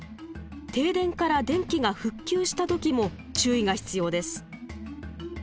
停電から電気が復旧した時も注意が必要です。